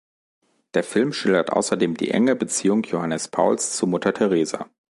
Der Film schildert außerdem die enge Beziehung Johannes Pauls zu Mutter Teresa.